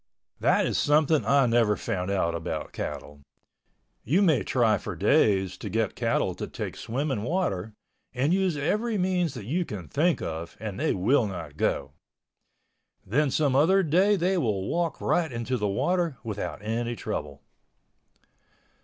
That is something I never found out about cattle—you may try for days to get cattle to take swimming water and use every means that you can think of and they will not go. Then some other day they will walk right into the water without any trouble.